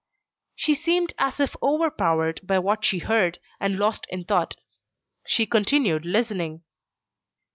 She seemed as if overpowered by what she heard, and lost in thought. She continued listening.